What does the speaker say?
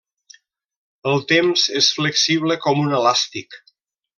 El temps és flexible com un elàstic.